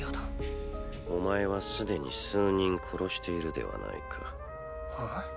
お前は既に数人殺しているではないか。